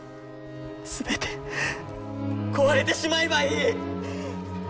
全て壊れてしまえばいい！